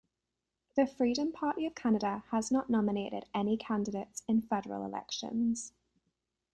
The Freedom Party of Canada has not nominated any candidates in federal elections.